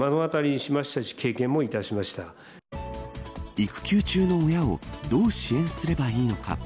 育休中の親をどう支援すればいいのか。